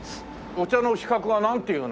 お茶の資格はなんていうの？